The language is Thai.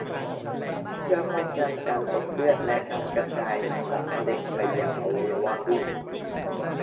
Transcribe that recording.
เพื่อป้องกันการตกเลือด และการกระจายของมะเร็งไปยังอวัยวะอื่น